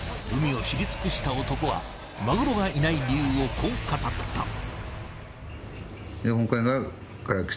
海を知り尽くした男はマグロがいない理由をこう語った。